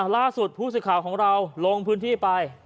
ล่าสุดผู้สื่อข่าวของเราลงพื้นที่ไป